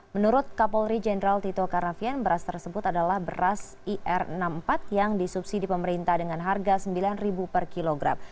menurut kapolri jenderal tito karnavian beras tersebut adalah beras ir enam puluh empat yang disubsidi pemerintah dengan harga rp sembilan per kilogram